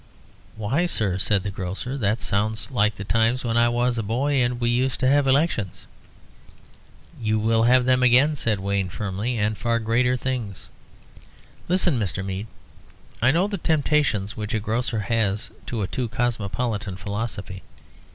"Why, sir," said the grocer, "that sounds like the times when I was a boy and we used to have elections." "You will have them again," said Wayne, firmly, "and far greater things. Listen, Mr. Mead. I know the temptations which a grocer has to a too cosmopolitan philosophy.